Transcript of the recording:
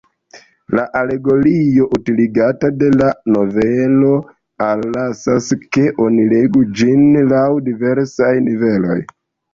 La alegorio utiligata de la novelo allasas, ke oni legu ĝin laŭ diversaj niveloj.